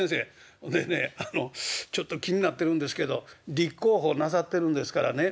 ほんでねあのちょっと気になってるんですけど立候補なさってるんですからね身辺